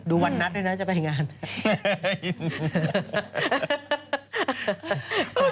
วันนัดด้วยนะจะไปงาน